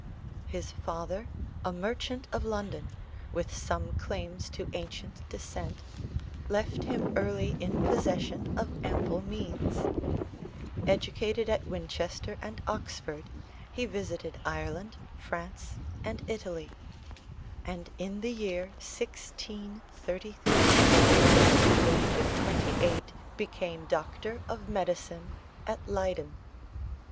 His father, a merchant of London, with some claims to ancient descent, left him early in possession of ample means. Educated at Winchester and Oxford, he visited Ireland, France, and Italy; and in the year 1633, at the age of twenty eight, became Doctor of Medicine at Leyden.